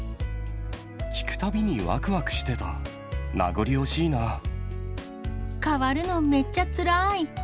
聞くたびにわくわくしてた、変わるのめっちゃつらい。